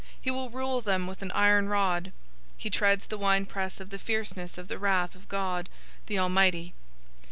He will rule them with an iron rod.{Psalm 2:9} He treads the winepress of the fierceness of the wrath of God, the Almighty.